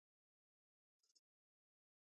د ټپي زخمونه ډېره پاملرنه غواړي.